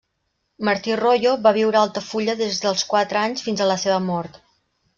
Martí Royo va viure a Altafulla des dels quatre anys fins a la seva mort.